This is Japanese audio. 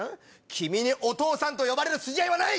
君にお父さんと呼ばれる筋合いはない！